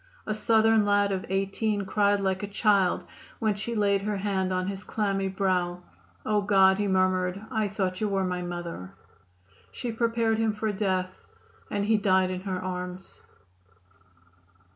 A Southern lad of 18 cried like a child when she laid her hand on his clammy brow. 'Oh, God,' he murmured, 'I thought you were my mother.' She prepared him for death, and he died in her arms.